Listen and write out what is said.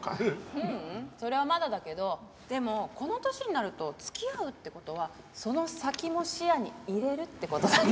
ううんそれはまだだけどでもこの年になると付き合うって事はその先も視野に入れるって事だから。